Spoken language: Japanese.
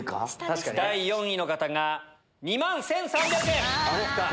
第４位の方が２万１３００円。